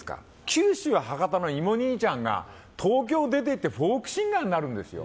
九州・博多の芋兄ちゃんが東京出てってフォークシンガーになるんですよ。